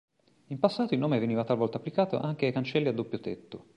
In passato, il nome veniva talvolta applicato anche ai cancelli a doppio tetto.